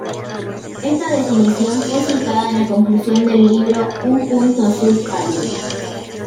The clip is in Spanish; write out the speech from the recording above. Esta definición fue citada en la conclusión del libro Un punto azul pálido.